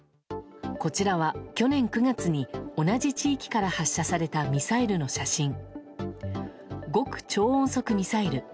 こちらは去年９月に同じ地域から発射されたミサイルの写真。